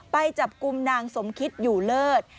ไปจับกลุ่มนางสมคิดอยู่เลิศ